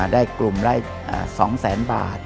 ได้กลุ่มละ๒๐๐๐๐๐บาท